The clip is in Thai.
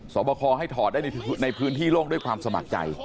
สอบคอให้ถอดได้ในพื้นที่โล่งด้วยความสมัครใจ